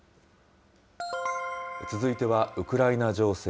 続いてはウクライナ情勢。